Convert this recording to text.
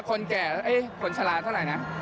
บัตรคนชะลาเท่าไหร่นะ